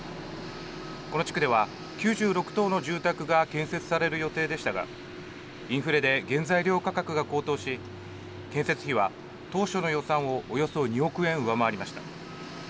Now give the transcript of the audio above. この地区では９６棟の住宅が建設される予定でしたがインフレで原材料価格が高騰し建設費は当初の予算をおよそ２億円、上回りました。